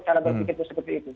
saya berpikir itu sebetulnya